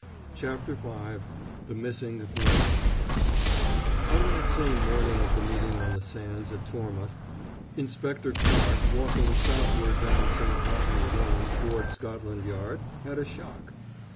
CHAPTER V THE MISSING BLADE On that same morning of the meeting on the sands at Tormouth, Inspector Clarke, walking southward down St. Martin's Lane toward Scotland Yard, had a shock.